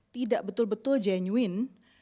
tidak betul betul jenuin